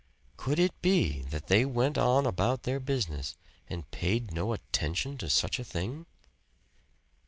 Could it be that they went on about their business and paid no attention to such a thing?